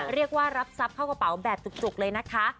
เรียกว่ารับทรัพย์เข้ากระเป๋าแบบจุกเลยนะคะ